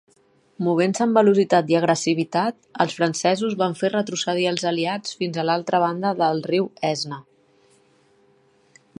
Movent-se amb velocitat i agressivitat, els francesos van fer retrocedir els Aliats fins a l'altra banda del riu Aisne.